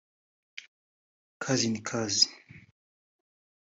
Kazi ni Kazi